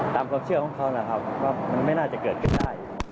ตามความเชื่อของเขานะครับว่ามันไม่น่าจะเกิดขึ้นได้